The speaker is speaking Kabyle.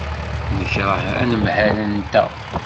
Nekṛeh anemhal-nteɣ.